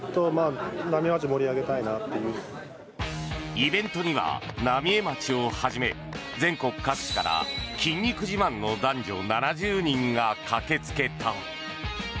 イベントには浪江町をはじめ全国各地から筋肉自慢の男女７０人が駆けつけた。